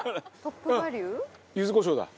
柚子こしょうだ！